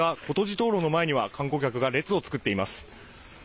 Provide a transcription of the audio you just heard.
軫灯籠の前には観光客が列を作っています。